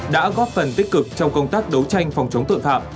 đã góp phần tích cực trong công tác đấu tranh phòng chống tội phạm